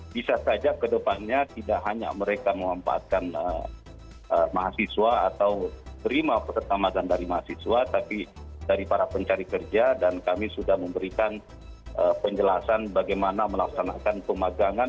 bisa saja ke depannya tidak hanya mereka memanfaatkan mahasiswa atau terima pertama dan dari mahasiswa tapi dari para pencari kerja dan kami sudah memberikan penjelasan bagaimana melaksanakan pemagangan